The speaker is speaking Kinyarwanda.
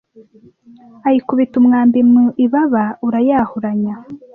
ayikubita umwambi mu ibaba, urayahuranya